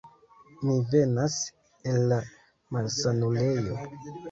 Mi venas el la malsanulejo.